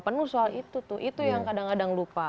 penuh soal itu tuh itu yang kadang kadang lupa